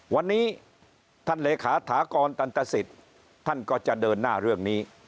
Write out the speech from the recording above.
วันนี้ท่านเหลขาทหตศท่านก็จะเดินหน้าเรื่องนี้